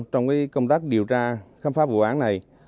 trong công tác điều tra khám phá vụ án này